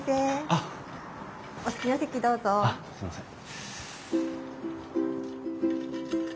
あっすいません。